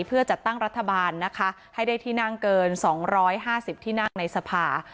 เพื่อจัดตั้งรัฐบาลนะคะให้ได้ที่นั่งเกิน๒๕๐ที่นั่งในสภา